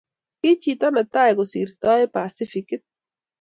Ki chito ne tai kusirtoi Pasifikit